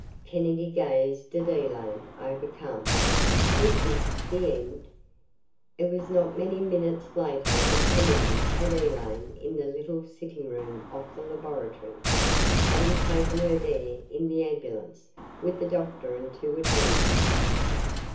Kennedy gazed at Elaine, overcome. Was this the end? It was not many minutes later that Kennedy had Elaine in the little sitting room off the laboratory, having taken her there in the ambulance, with the doctor and two attendants.